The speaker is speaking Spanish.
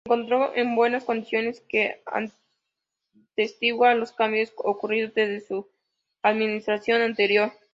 La encontró en buenas condiciones que atestigua los cambios ocurridos desde su administración anterior.